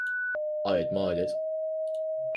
I admired it.